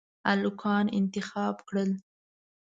هلکان انتخاب کړل.